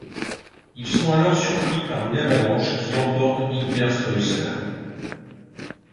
Ils sont alors surpris par une avalanche, qui emporte Hinterstoisser.